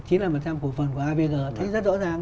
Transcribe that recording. chín mươi năm của phần của avg thấy rất rõ ràng